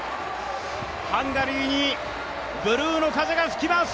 ハンガリーにブルーの風が吹きます